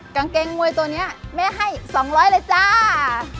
กางเกงมวยตัวนี้แม่ให้๒๐๐เลยจ้า